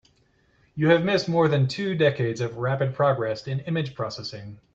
You have missed more than two decades of rapid progress in image processing.